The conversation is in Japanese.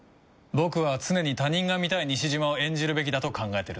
僕は常に他人が見たい西島を演じるべきだと考えてるんだ。